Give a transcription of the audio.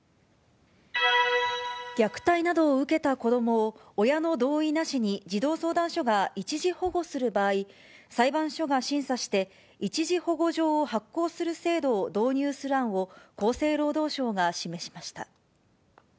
虐待などを受けた子どもを親の同意なしに児童相談所が一時保護する場合、裁判所が審査して、一時保護状を発行する制度を導入する案を、厚生労働省が示しました。